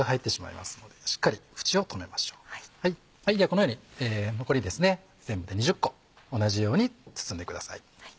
このように残り全部で２０個同じように包んでください。